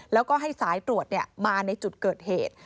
แล้วก็ให้สายตรวจมาในจุดเกิดเหตุ